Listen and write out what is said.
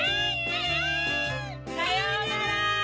さようなら！